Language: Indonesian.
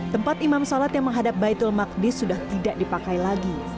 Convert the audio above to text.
tempat imam sholat yang menghadap baitul maqdis sudah tidak dipakai lagi